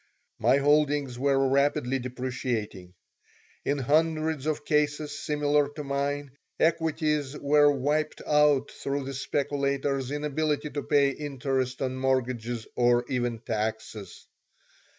My holdings were rapidly depreciating. In hundreds of cases similar to mine equities were wiped out through the speculators' inability to pay interest on mortgages or even taxes.